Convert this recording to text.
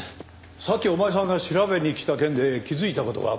さっきお前さんが調べに来た件で気づいた事があってね。